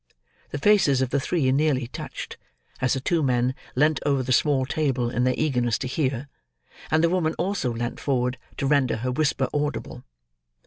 The faces of the three nearly touched, as the two men leant over the small table in their eagerness to hear, and the woman also leant forward to render her whisper audible.